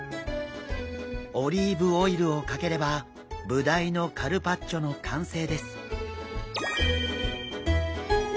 オリーブオイルをかければブダイのカルパッチョの完成です。